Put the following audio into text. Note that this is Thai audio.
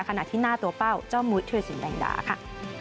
ขณะที่หน้าตัวเป้าเจ้ามุฒิเทวศิลป์แบ่งดาค่ะ